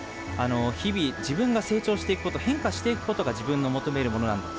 日々、自分が成長していくこと変化していくことが自分の求めるものなんだ。